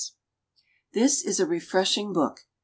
This is a refreshing book.